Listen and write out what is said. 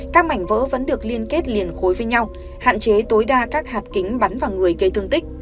các mảnh vỡ vẫn được liên kết liền khối với nhau hạn chế tối đa các hạt kính bắn vào người gây thương tích